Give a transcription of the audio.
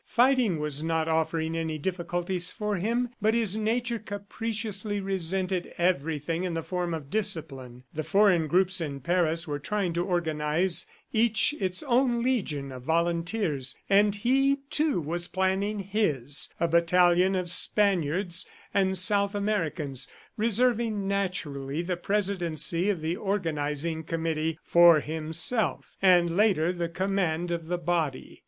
Fighting was not offering any difficulties for him but his nature capriciously resented everything in the form of discipline. The foreign groups in Paris were trying to organize each its own legion of volunteers and he, too, was planning his a battalion of Spaniards and South Americans, reserving naturally the presidency of the organizing committee for himself, and later the command of the body.